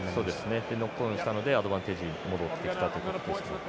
ノックオンしたのでアドバンテージに戻ってきた。